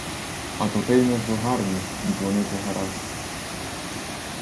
А то ти й незугарний дзвонити гаразд.